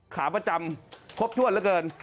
ขาประจำครบถ้วนเหลือเกิน